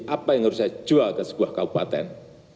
apa yang harus saya jual ke sebuah kabupaten